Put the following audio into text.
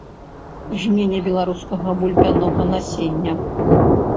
Жменя беларускага бульбянога насення!